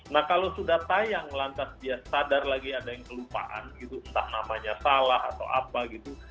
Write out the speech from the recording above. nah kalau sudah tayang lantas dia sadar lagi ada yang kelupaan gitu entah namanya salah atau apa gitu